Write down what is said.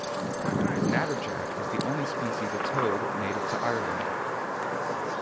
The natterjack is the only species of toad native to Ireland.